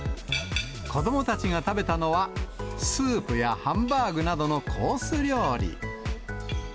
子どもたちが食べたのは、スープやハンバーグなどのコース料理。